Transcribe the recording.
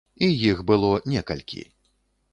І іх было некалькі.